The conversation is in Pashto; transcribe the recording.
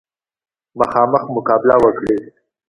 مخامخ مقابله وکړي.